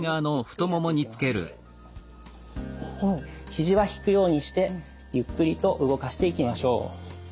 肘は引くようにしてゆっくりと動かしていきましょう。